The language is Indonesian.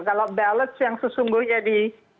kalau balance yang sesungguhnya di